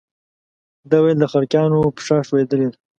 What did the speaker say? ده ویل د خلقیانو پښه ښویېدلې ده.